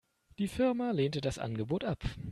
Die Firma lehnte das Angebot ab.